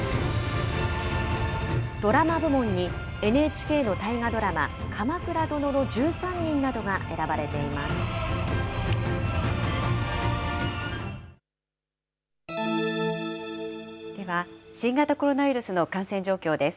ドラマ部門に、ＮＨＫの大河ドラマ、鎌倉殿の１３人などが選ばれています。